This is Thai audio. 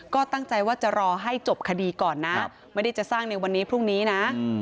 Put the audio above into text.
ก็ตั้งใจว่าจะรอให้จบคดีก่อนนะไม่ได้จะสร้างในวันนี้พรุ่งนี้นะ